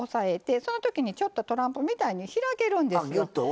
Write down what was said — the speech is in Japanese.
そのときにちょっとトランプみたいに開けるんですよ。